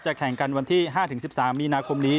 แข่งกันวันที่๕๑๓มีนาคมนี้